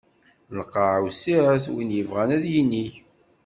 Lqaɛa wessiɛet win yebɣan ad yinig.